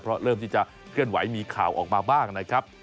เพราะเริ่มที่จะเคลื่อนไหวมีข่าวออกมาบ้างนะครับ